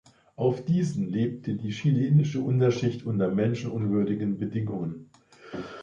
Auf diesen lebte die chilenische Unterschicht unter menschenunwürdigen Bedingungen.